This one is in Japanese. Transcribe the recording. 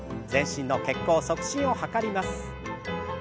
全身の血行促進を図ります。